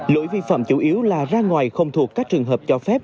lỗi vi phạm chủ yếu là ra ngoài không thuộc các trường hợp cho phép